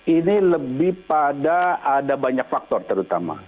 ini lebih pada ada banyak faktor terutama